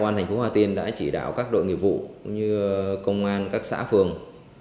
công an thành phố hà tiên đã chỉ đạo các đội nghiệp vụ cũng như công an các xã phường